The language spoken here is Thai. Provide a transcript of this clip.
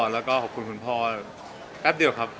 แล้วก็ขอบคุณคุณพ่อแป๊บเดียวครับ